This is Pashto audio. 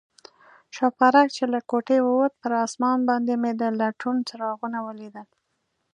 شوپرک چې له کوټې ووت، پر آسمان باندې مې د لټون څراغونه ولیدل.